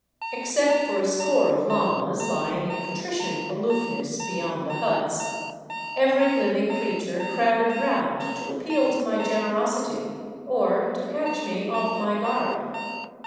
Except for a score of llamas lying in patrician aloofness beyond the huts, every living creature crowded round to appeal to my generosity or to catch me off my guard.